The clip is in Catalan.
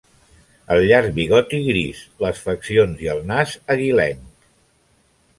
El llarg bigoti gris, les faccions i el nas aguilenc.